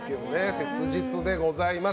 切実でございます。